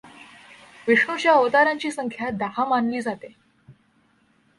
विष्णूच्या अवतारांची संख्या दहा मानली जाते.